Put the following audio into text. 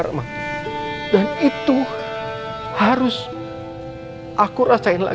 untuk membantu adin keluar dari penjara